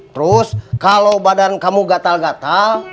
terus kalau badan kamu gatal gatal